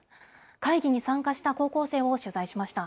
会議に参加した高校生を取材しました。